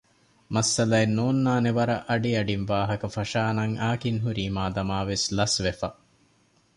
މައްސަލައެއް ނޯންނާނެވަރަށް އަޑިއަޑިން ވާހަކަ ފަށާނަން އާކިން ހުރީ މާދަމާވެސް ލަސްވެފަ